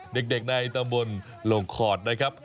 เด็กในตำรวจโรงคอร์ดนะครับ